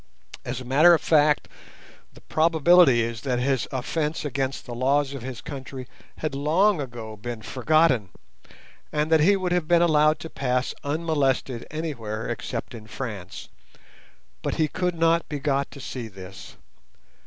As a matter of fact, the probability is that his offence against the laws of his country had long ago been forgotten, and that he would have been allowed to pass unmolested anywhere except in France; but he could not be got to see this.